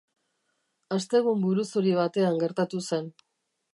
Astegun buruzuri batean gertatu zen.